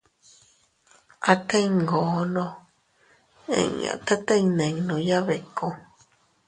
Atee iyngoono inña tete iyninuya biku.